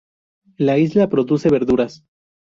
La isla produce verduras.